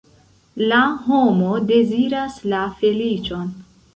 La homo deziras la feliĉon.